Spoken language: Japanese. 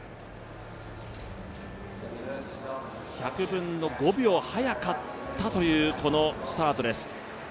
１００分の５秒早かったというスタートです。